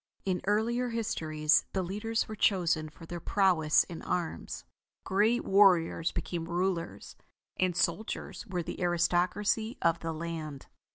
In the earlier histories, the leaders were chosen for their prowess in arms. Great warriors became rulers, and soldiers were the aristocracy of the land.